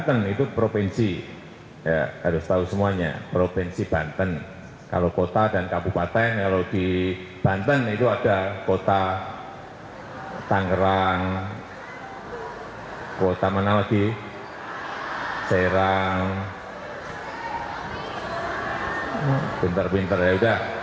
di jodhoy reinformasi udah ter fatto